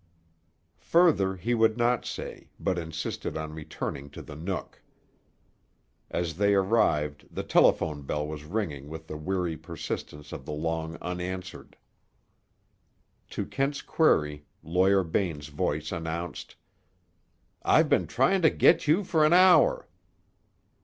Further he would not say, but insisted on returning to the Nook. As they arrived, the telephone bell was ringing with the weary persistence of the long unanswered. To Kent's query, Lawyer Bain's voice announced: "I've been trying to get you for an hour."